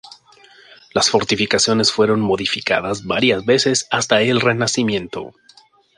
Las fortificaciones fueron modificadas varias veces hasta el Renacimiento.